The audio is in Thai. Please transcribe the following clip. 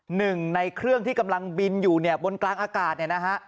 หนึ่งในเครื่องที่กำลังบินอยู่เนี่ยบนกลางอากาศเนี่ยนะฮะ